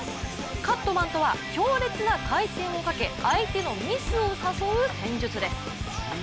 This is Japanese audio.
カットマンとは、強烈な回転をかけ相手のミスを誘う戦術です。